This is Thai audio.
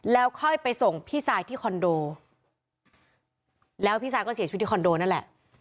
แล้วค่อยไปส่งพี่ซายที่คอนโดแล้วพี่ซายก็เสียชีวิตที่คอนโดนั่นแหละ